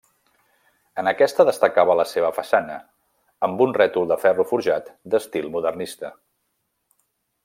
En aquesta destacava la seva façana, amb un rètol de ferro forjat d'estil modernista.